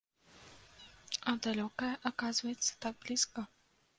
А далёкае, аказваецца, так блізка.